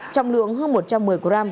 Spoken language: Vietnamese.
trong lượng hơn một trăm một mươi gram